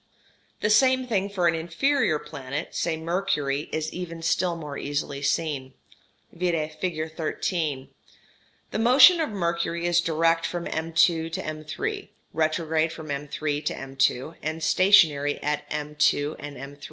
] The same thing for an inferior planet, say Mercury, is even still more easily seen (vide figure 13). The motion of Mercury is direct from M'' to M''', retrograde from M''' to M'', and stationary at M'' and M'''.